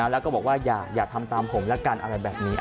แล้วก็บอกว่าอย่าทำตามผมแล้วกันอะไรแบบนี้